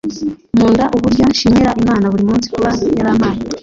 nkunda uburyo nshimira imana buri munsi kuba yarampaye.